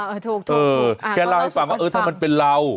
ถูกเออแค่เล่าให้ฟังว่าเออถ้ามันเป็นเรา